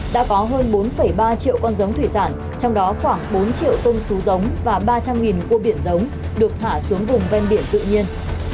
đã có hơn bốn ba triệu con giống thủy sản trong đó khoảng bốn triệu tôm xú giống và ba trăm linh cua biển giống được thả xuống vùng ven biển tự nhiên